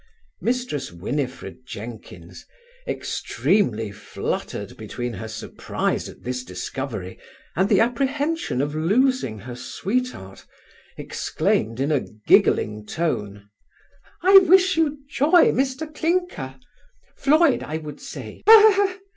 Mrs. Winifred Jenkins, extremely fluttered between her surprize at this discovery, and the apprehension of losing her sweet heart, exclaimed in a giggling tone, 'I wish you joy Mr Clinker Floyd I would say hi, hi, hi!